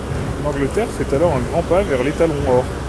L'Angleterre fait alors un grand pas vers l'étalon-or.